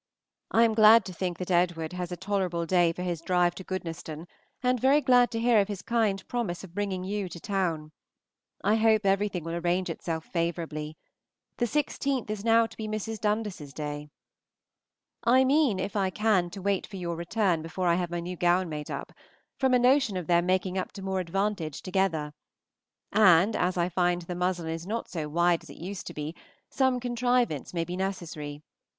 I am glad to think that Edward has a tolerable day for his drive to Goodnestone, and very glad to hear of his kind promise of bringing you to town. I hope everything will arrange itself favorably. The 16th is now to be Mrs. Dundas's day. I mean, if I can, to wait for your return before I have my new gown made up, from a notion of their making up to more advantage together; and as I find the muslin is not so wide as it used to be, some contrivance may be necessary.